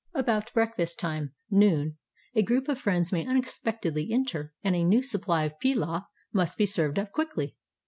About breakfast time (noon) a group of friends may unexpectedly enter, and a new supply of pilaw must be served up quickly.